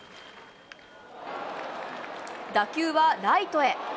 打球はライトへ。